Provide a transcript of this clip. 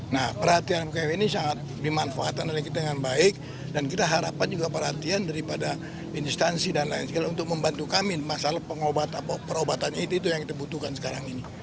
nah perhatian mereka ini sangat dimanfaatkan oleh kita dengan baik dan kita harapkan juga perhatian daripada instansi dan lain sebagainya untuk membantu kami masalah perobatannya itu yang kita butuhkan sekarang ini